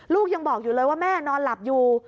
ลูกยังบอกอยู่เลยว่าแม่นอนหลับอยู่